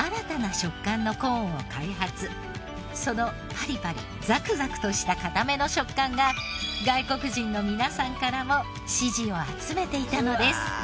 そのパリパリザクザクとした硬めの食感が外国人の皆さんからも支持を集めていたのです。